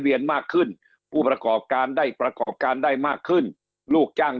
มากขึ้นผู้ประกอบการได้ประกอบการได้มากขึ้นลูกจ้าง